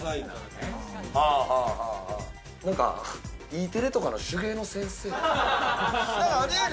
Ｅテレとかの手芸の先生。